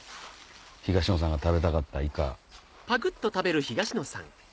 東野さんが食べたかったイカ。